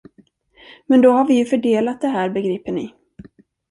Men då har vi ju fördelat det här, begriper ni.